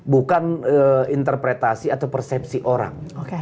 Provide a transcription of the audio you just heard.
bukan interpretasi atau persepsi orang